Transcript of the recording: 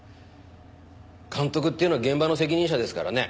監督っていうのは現場の責任者ですからね